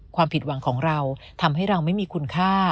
ความผิดหวังของเราทำให้เราไม่มีคุณค่า